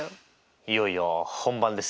いよいよ本番ですね。